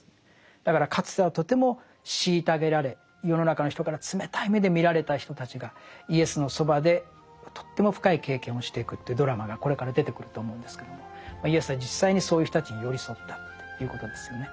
だからかつてはとても虐げられ世の中の人から冷たい目で見られた人たちがイエスのそばでとっても深い経験をしていくというドラマがこれから出てくると思うんですけどもイエスは実際にそういう人たちに寄り添ったということですよね。